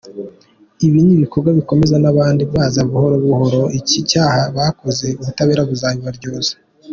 Ni ibikorwa bikomeza n’abandi bazaza buhoro buhoro, iki cyaha bakoze ubutabera buzabibaryoza.